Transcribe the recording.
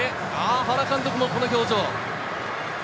原監督もこの表情。